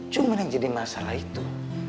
cuma yang jadi masalah itu